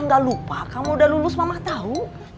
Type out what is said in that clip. enggak gak lupa kamu udah lulus mamah tau